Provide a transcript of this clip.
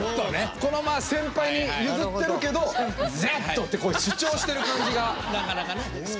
このまあ先輩に譲ってるけど「Ｚ」って主張してる感じが。